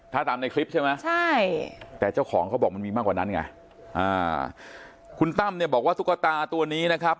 ถ้าตามในคลิปใช่ไหมใช่แต่เจ้าของเขาบอกมันมีมากกว่านั้นไงอ่าคุณตั้มเนี่ยบอกว่าตุ๊กตาตัวนี้นะครับ